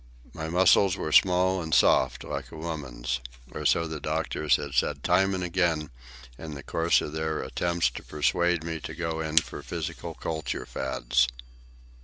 My muscles were small and soft, like a woman's, or so the doctors had said time and again in the course of their attempts to persuade me to go in for physical culture fads.